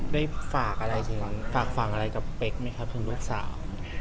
ได้ฝากอะไรถึงฝากฝั่งอะไรกับเป๊กไหมครับถึงลูกสาว